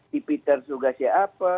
tipiter tugasnya apa